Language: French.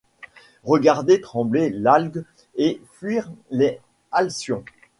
Regardez trembler l'algue et fuir les alcyons ;